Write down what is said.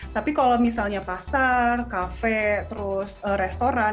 tapi kalau misalnya pasar kafe terus restoran